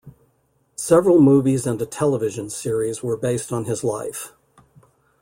Several movies and a television series were based on his life.